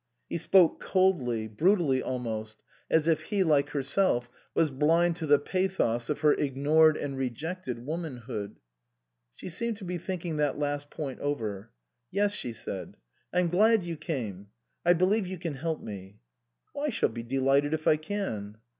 He spoke coldly, brutally almost, as if he, like herself, was blind to the pathos of her ignored and rejected womanhood. She seemed to be thinking that last point over. " Yes," she said, " I'm glad you came. I believe you can help me." " I shall be delighted if I can."